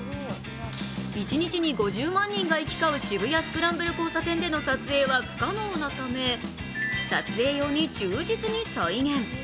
一日に５０万人が行き交う渋谷スクランブル交差点での撮影は不可能なため撮影用に忠実に再現。